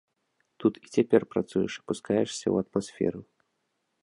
Тут і цяпер працуеш, апускаешся ў атмасферу.